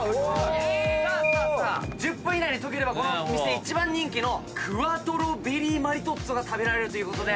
さあさあ１０分以内に解ければこの店一番人気のクアトロベリーマリトッツォが食べられるということで。